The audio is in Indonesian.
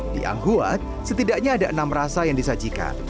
di anghua setidaknya ada enam rasa yang disajikan